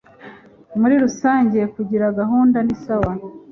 muri rusange kugira gahunda ni sawa